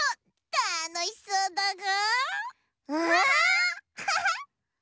たのしそうだぐ！